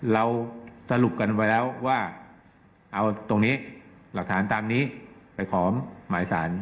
เราสรุปกันไว้แล้วว่าเอาตรงนี้หลักฐานตามนี้ไปขอหมายสาร